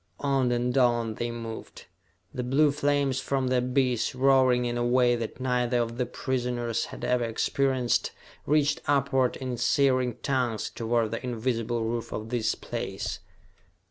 On and on they moved. The blue flames from the abyss, roaring in a way that neither of the prisoners had ever experienced, reached upward in searing tongues toward the invisible roof of this place.